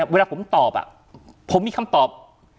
เวลาผมตอบผมมีคำตอบ